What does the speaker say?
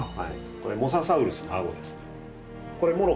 これモササウルスのアゴですね。